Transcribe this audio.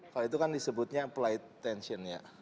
kalau itu kan disebutnya apply tension ya